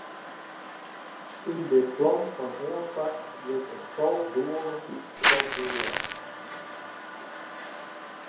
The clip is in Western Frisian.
Yn dit plan fan oanpak wurdt in tal doelen formulearre.